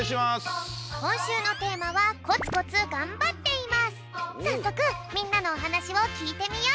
こんしゅうのテーマはさっそくみんなのおはなしをきいてみよう。